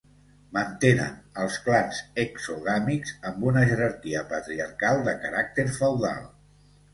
Mantenen els clans exogàmics amb una jerarquia patriarcal de caràcter feudal.